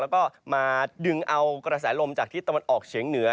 แล้วก็มาดึงเอากระแสลมจากทิศตะวันออกเฉียงเหนือ